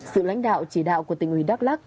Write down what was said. sự lãnh đạo chỉ đạo của tỉnh ủy đắk lắc